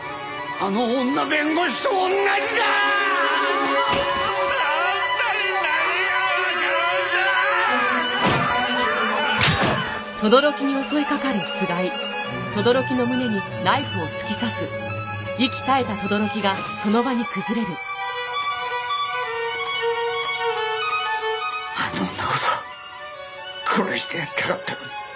あの女こそ殺してやりたかったのに。